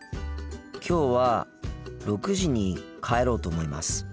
きょうは６時に帰ろうと思います。